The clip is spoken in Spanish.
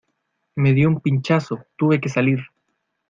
me dio un pinchazo, tuve que salir...